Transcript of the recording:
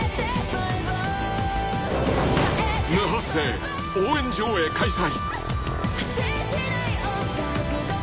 ［無発声応援上映開催］